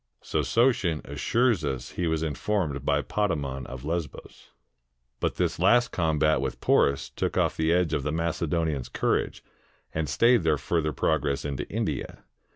So Sotion assures us he was informed by Potamon of Lesbos. But this last combat with Poms took off the edge of the Macedonians' courage, and stayed their further progress into India.